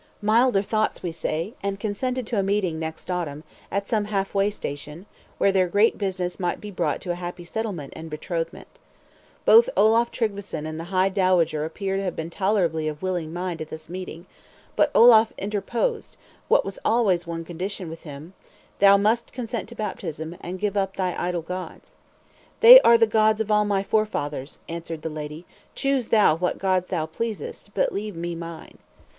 Milder thoughts, we say; and consented to a meeting next autumn, at some half way station, where their great business might be brought to a happy settlement and betrothment. Both Olaf Tryggveson and the high dowager appear to have been tolerably of willing mind at this meeting; but Olaf interposed, what was always one condition with him, "Thou must consent to baptism, and give up thy idol gods." "They are the gods of all my forefathers," answered the lady, "choose thou what gods thou pleasest, but leave me mine."